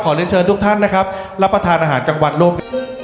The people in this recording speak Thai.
เรียนเชิญทุกท่านนะครับรับประทานอาหารกลางวันโลก